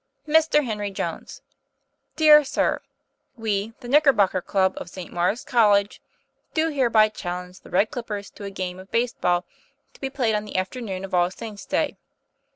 MR. HENRY JONES Dear Sir: We, the Knickerbocker Club of St. Maure's Col lege, do hereby challenge the Red Clippers to a game of base ball to be played on the afternoon of All Saints' Day.